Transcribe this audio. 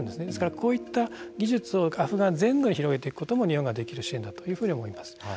ですから、こういった技術をアフガン全土に広げていくことも日本ができる支援だというふうに思います。